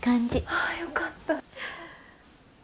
ああよかった。